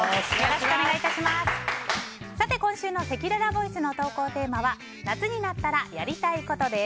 今週のせきららボイスの投稿テーマは夏になったらやりたいことです。